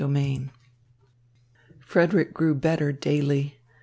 XXXI Frederick grew better daily.